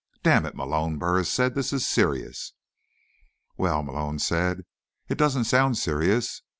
"Damn it, Malone," Burris said, "this is serious." "Well," Malone said, "it doesn't sound serious.